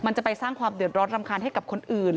จะไปสร้างความเดือดร้อนรำคาญให้กับคนอื่น